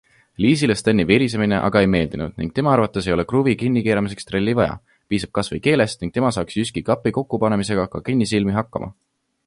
Liisile Steni virisemine aga ei meeldinud ning tema arvates ei olegi kruvi kinni keeramiseks trelli vaja, piisab kasvõi keelest ning tema saaks Jyski kapi kokkupanemisega ka kinnisilmi hakkama.